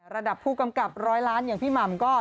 ระดับผู้กำกับร้อยล้านอย่างพี่หม่ำก็